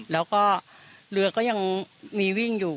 แล้วก็เรือก็ยังมีวิ่งอยู่